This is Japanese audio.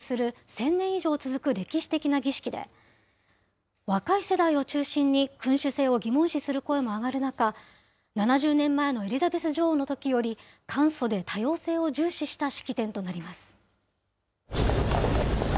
新しい君主の即位を祝福する１０００年以上続く歴史的な儀式で、若い世代を中心に君主制を疑問視する声も上がる中、７０年前のエリザベス女王のときより簡素で多様性を重視した式典となります。